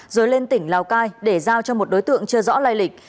rồi lên tỉnh lào cai để giao cho một đối tượng chưa rõ lai lịch